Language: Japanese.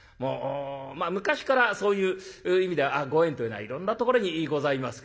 まあ昔からそういう意味ではご縁というのはいろんなところにございますけれども。